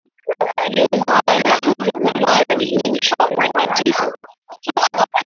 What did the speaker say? juu zaidi kutoka dola milioni ishirini na tisa